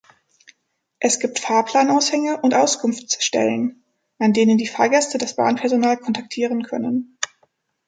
Es gibt Fahrplan-Aushänge und Auskunftsstellen, an denen die Fahrgäste das Bahnpersonal kontaktieren können.